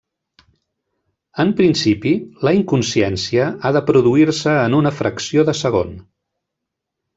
En principi, la inconsciència ha de produir-se en una fracció de segon.